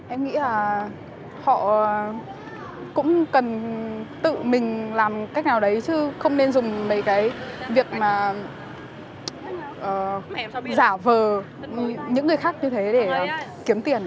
em nghĩ là họ cũng cần tự mình làm cách nào đấy chứ không nên dùng mấy cái việc mà giả vờ những người khác như thế để kiếm tiền